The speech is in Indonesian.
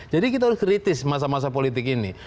jadi kita harus kritis masa masa politik ini